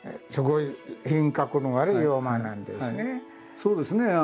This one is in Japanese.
そうですね